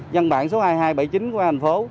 dân bản số hai nghìn hai trăm bảy mươi chín của thành phố